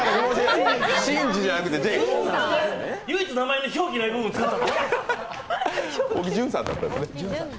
唯一名前に表記ない部分使って。